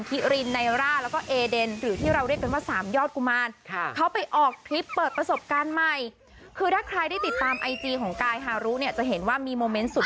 สุดฟังเยอะมากค่ะทั้งบุกป่าลุยโฟนลุยโฟนโอ้โห